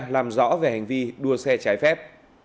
làm rõ về hành vi đua xe trái phép